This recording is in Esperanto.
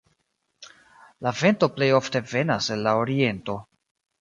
La vento plej ofte venas el la oriento.